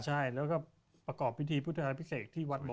ใช่แล้วก็ประกอบพิธีพุทธาพิเศษที่วัดนี้